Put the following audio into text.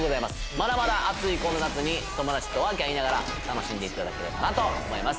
まだまだ暑いこの夏に友達とワーキャー言いながら楽しんでいただければなと思います